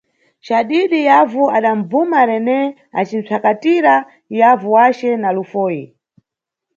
Cadidi yavu adabvuma Rene acimʼsvakatira yavu wace na lufoyi.